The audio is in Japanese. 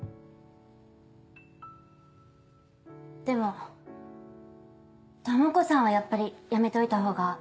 でも智子さんはやっぱりやめておいたほうが。